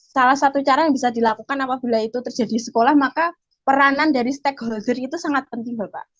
salah satu cara yang bisa dilakukan apabila itu terjadi di sekolah maka peranan dari stakeholder itu sangat penting bapak